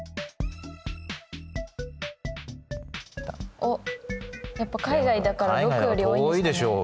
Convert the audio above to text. おっやっぱ海外だから６より多いんですかね。